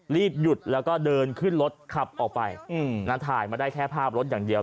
รีบหยุดแล้วก็เดินขึ้นรถขับออกไปถ่ายมาได้แค่ภาพรถอย่างเดียว